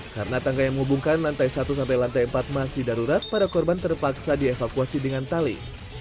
karena tangga yang menghubungkan lantai satu sampai lantai empat masih darurat para korban terpaksa dievakuasi dengan tali